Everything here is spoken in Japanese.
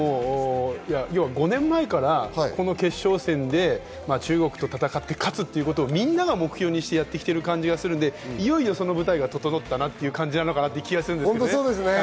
５年前からこの決勝戦で中国と戦って勝つということをみんなが目標にやってきてる感じがするんで、いよいよその舞台が整ったなという感じがするんですけどね。